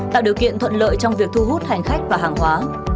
tạo điều kiện thuận lợi trong việc thu hút hành khách và hàng hóa